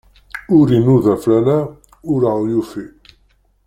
Ur inuda fell-aneɣ, ur aɣ-yufi.